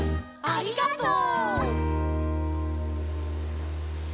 ありがとう。